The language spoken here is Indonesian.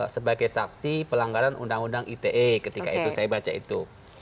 sebagai saksi pelanggaran undang undang ite ketika itu saya baca itu